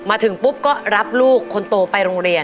มาถึงปุ๊บก็รับลูกคนโตไปโรงเรียน